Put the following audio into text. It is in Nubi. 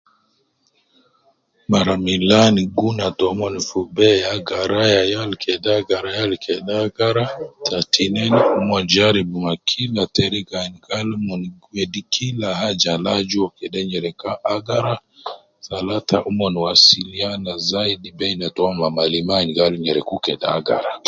Mara milan guna tomon fi be ya garaya, yal kede agara yal kede agara, ta tinin mon jaribu ma kila teriga ayin gal mon gi wedi kila haja al aju uwo kede nyereku agara, talata omon wasiliana zaidi beina tomon me malima ayin gal nyereku kede agara